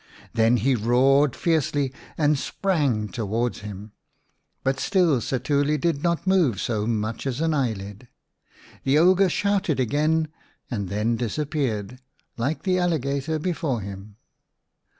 Then he roared fiercely and sprang towards him ; but still Setuli did not move so much as an eyelid. The ogre shouted again, and then disappeared, like the alligator before him.